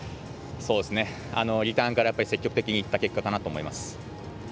リターンから積極的にいった結果かなと思います。